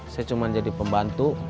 saya cuma jadi pembantu